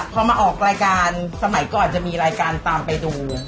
พอมาออกรายการสมัยก่อนจะมีรายการตามไปดู